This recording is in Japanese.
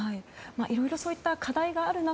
いろいろそういった課題がある中